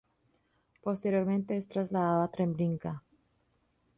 Posteriormente es trasladado a Treblinka.